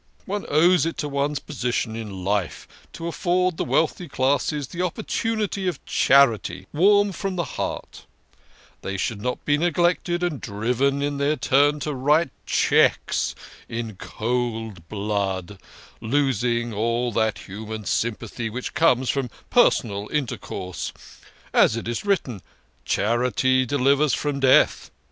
One owes it to one's position in life to afford the wealthy classes the opportunity of charity warm from the heart ; they should not be neg lected and driven in their turn to write cheques in cold blood, losing all that human sympathy which comes from personal intercourse as it is written, 'Charity delivers from death.'